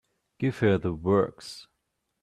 Give her the works.